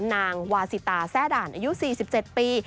นางวาสิตาแซ่ด่านอายุ๔๗ปี